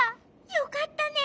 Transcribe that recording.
よかったね。